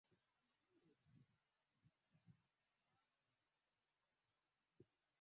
Alikaa masaa machache hospitali na kurudi nyumbani